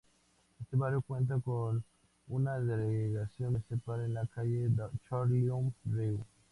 Este barrio cuenta con una delegación municipal en la calle Charloun-Rieu.